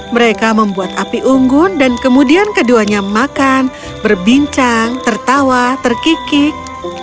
mereka membuat api unggun dan kemudian keduanya makan berbincang tertawa terkikik